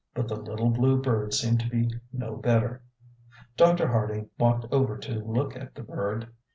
But the little blue bird seemed to be no better. Dr. Harding walked over to look at the bird.